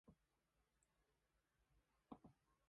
Cohen was their first executive director.